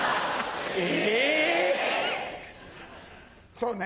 そうね。